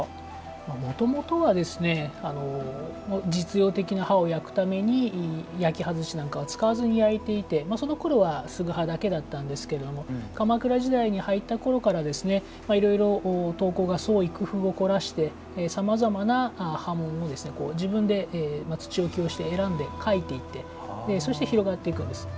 もともとは実用的な刃を焼くために焼き外しなんかは使わずに焼いていて、その時は直刃だけだったんですが鎌倉時代に入ったころからいろいろ刀工が創意工夫を凝らしてさまざまな刃文を自分で土置きをして選んで書いていってそれで広がっていくんです。